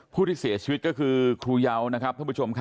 ผู้ที่เสียชีวิตก็คือครูเยานะครับท่านผู้ชมครับ